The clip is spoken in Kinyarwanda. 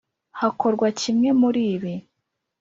hakorwa kimwe muri ibi.